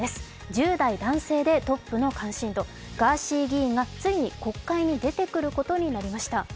１０代男性でトップの関心度ガーシー議員がついに国会に出てくることになりました。